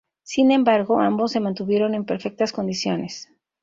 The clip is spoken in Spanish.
Sin embargo, ambos se mantuvieron en perfectas condiciones.